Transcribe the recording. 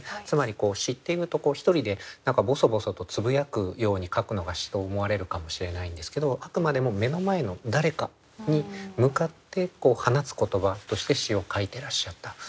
つまり詩っていうと一人で何かボソボソとつぶやくように書くのが詩と思われるかもしれないんですけどあくまでも目の前の誰かに向かって放つ言葉として詩を書いてらっしゃった。